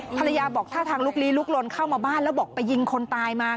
ภรรยาบอกท่าทางลุกลี้ลุกลนเข้ามาบ้านแล้วบอกไปยิงคนตายมา